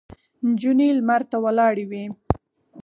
نجونې لمر ته ولاړې وې.